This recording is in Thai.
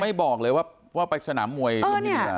ไม่บอกเลยว่าไปสนามมวยลุมพินีหรืออะไร